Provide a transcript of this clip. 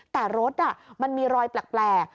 แต่รถมันมีรอยแปลก